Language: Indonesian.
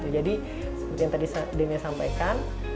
jadi seperti yang tadi dina sampaikan